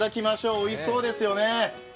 おいしそうですよね。